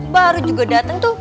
baru juga dateng tuh